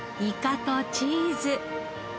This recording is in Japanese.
イカとチーズ。